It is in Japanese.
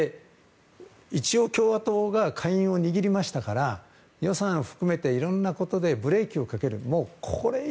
一応、共和党が下院を握りましたから予算を含めて、いろんなことでブレーキをかける。